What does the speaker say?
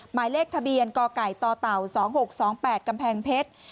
หมายเลขทะเบียนกไก่ต่อเต่า๒๖๒๘กำแพงเพชร